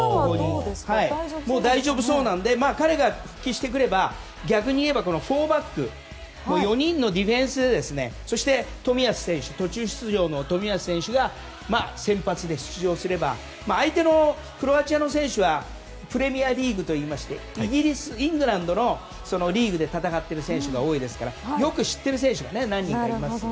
もう大丈夫そうなので彼が復帰してくれば逆に言えば４バックの４人のディフェンスでそして、途中出場の冨安選手が先発で出場すれば先発で出場すれば相手のクロアチアの選手はプレミアリーグといいましてイギリス、イングランドのリーグで戦っている選手が多いですからよく知っている選手が何人かいます。